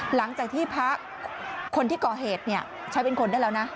หลังจากที่พระคนที่ก่อเหตุใช้เป็นคนได้แล้วนะ